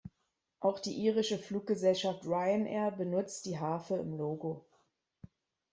Auch die irische Fluggesellschaft Ryanair benutzt die Harfe im Logo.